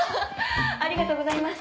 ありがとうございます。